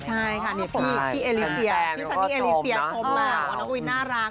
ใช่ค่ะพี่เอลิเซียพี่ชั้นพี่เอลิเซียพูดมาว่าน้องกวินน่ารัก